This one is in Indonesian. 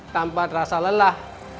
tanpa terasa lelah